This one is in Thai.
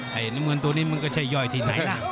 เห็นนิเวิร์นตัวนี้มันก็ใช่ย่อยที่ไหนล่ะ